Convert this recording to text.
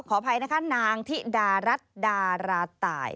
ขออภัยนะคะนางธิดารัฐดาราตาย